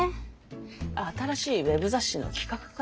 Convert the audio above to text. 新しいウェブ雑誌の企画か。